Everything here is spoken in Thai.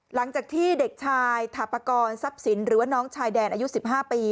หลังจากที่เด็กชายถาปกรทรัพย์สินหรือว่าน้องชายแดนอายุ๑๕ปี